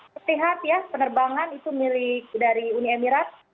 sehat ya penerbangan itu milik dari uni emirat